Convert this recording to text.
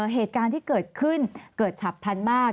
เหตุการณ์ที่เกิดขึ้นเกิดฉับพันธุ์มาก